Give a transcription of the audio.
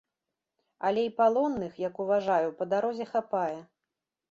Але й палонных, як уважаю, па дарозе хапае.